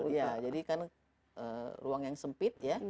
iya jadi kan ruang yang sempit ya